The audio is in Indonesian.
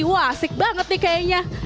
wah asik banget nih kayaknya